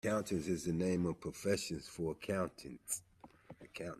Accountancy is the name of the profession for accountants